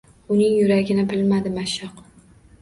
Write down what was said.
Uning yuragini bilmadi mashshoq.